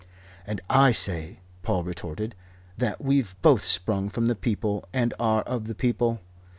"And I say," Paul retorted, "that we've both sprung from the people, and are of the people.